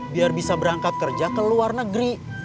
biar bisa berangkat kerja ke luar negeri